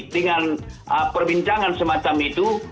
dengan perbincangan semacam itu